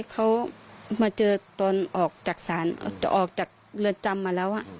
เขามาเจอตอนออกจากศาลออกจากเรือนจำมาแล้ว